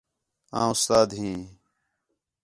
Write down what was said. آں اُستاد ھیں